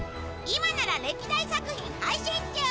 今なら歴代作品配信中！